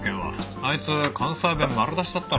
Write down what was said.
あいつ関西弁丸出しだったろ。